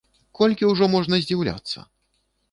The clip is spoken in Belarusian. Колькі ўжо можна здзіўляцца?